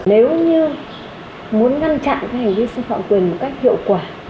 nếu như muốn ngăn chặn cái hành vi sản phẩm quyền một cách hiệu quả